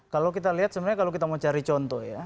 kalau kita lihat sebenarnya kalau kita mau cari contoh ya